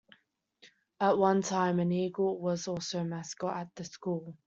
At one time an eagle was also a mascot at the school.